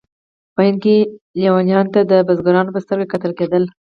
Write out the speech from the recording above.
په هند کې لیونیانو ته د بزرګانو په سترګه کتل کېدل.